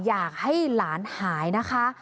อยากให้หลานหายนะคะ